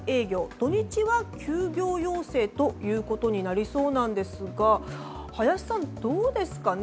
土日は休業要請ということになりそうなんですが林さん、どうですかね？